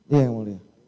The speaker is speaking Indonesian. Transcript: iya yang mulia